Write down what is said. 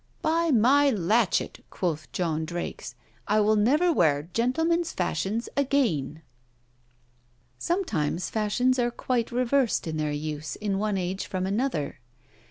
'By my latchet!' quoth John Drakes, 'I will never wear gentlemen's fashions again!' Sometimes fashions are quite reversed in their use in one age from another.